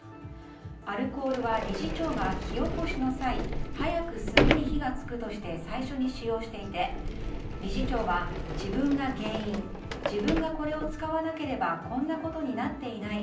アルコールは理事長が火起こしの際早く炭に火が付くとして最初に使用していて理事長は、自分が原因自分がこれを使わなければこんなことになっていない。